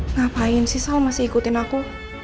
ngapain sih sal masih ikutin aku